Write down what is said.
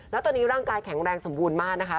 แล้วตอนนี้ร่างกายแข็งแรงสมบูรณ์มากนะคะ